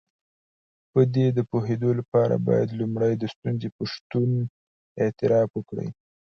په دې د پوهېدو لپاره بايد لومړی د ستونزې په شتون اعتراف وکړئ.